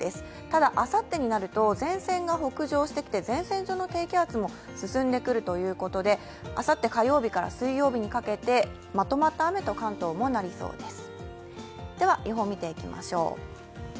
ただ、あさってになると前線が北上してきて前線上の低気圧も進んでくるということで、あさって火曜日から水曜日に欠けて、まとまった雨と関東もなりそうです。